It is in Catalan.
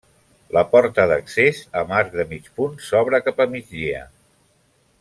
La porta d'accés, amb arc de mig punt, s'obre cap a migdia.